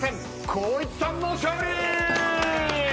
光一さんの勝利！